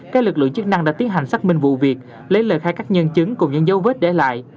các lực lượng chức năng đã tiến hành xác minh vụ việc lấy lời khai các nhân chứng cùng những dấu vết để lại